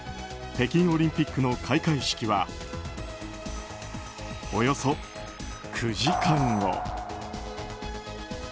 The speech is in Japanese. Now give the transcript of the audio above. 北京オリンピックの開会式はおよそ９時間後。